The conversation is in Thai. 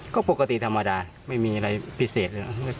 ก็ปกติธรรมดาไม่มีอะไรพิเศษเลย